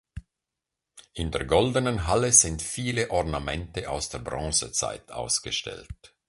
In der Goldenen Halle sind viele Ornamente aus der Bronzezeit ausgestellt.